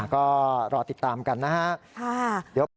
ก็รอติดตามกันนะฮะ